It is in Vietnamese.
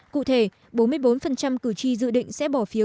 cụ thể bốn mươi bốn cử tri dự định sẽ bỏ phiếu